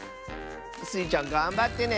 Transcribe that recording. スイちゃんがんばってね！